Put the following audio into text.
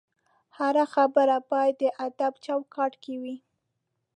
هره خبره باید د ادب چوکاټ کې وي